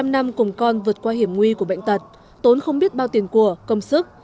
một mươi năm năm cùng con vượt qua hiểm nguy của bệnh tật tốn không biết bao tiền của công sức